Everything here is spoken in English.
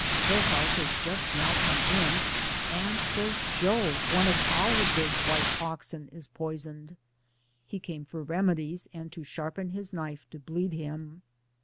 Hillhouse has just now come in, and says Joe, one of our big white oxen, is poisoned. He came for remedies and to sharpen his knife to bleed him.